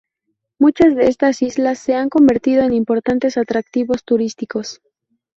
Muchas de estas islas se han convertido en importantes atractivos turísticos.